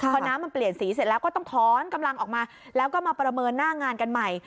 พอน้ำมันเปลี่ยนสีเสร็จแล้วก็ต้องถอนกำลังออกมาแล้วก็มาประเมินหน้างานกันใหม่